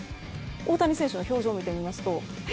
大谷選手の表情を見てみますとえ？